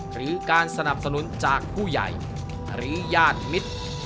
หรือการสนับสนุนจากผู้ใหญ่หรือญาติมิตร